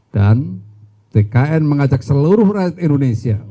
dan tkn mengajak seluruh rakyat indonesia